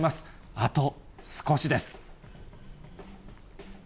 あと少しです。